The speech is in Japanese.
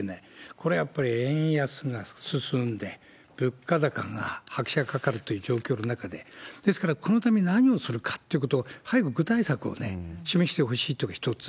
これはやっぱり円安が進んで、物価高が拍車かかるという状況の中で、ですからこのために何をするかということを早く具体策を示してほしいというのが一つ。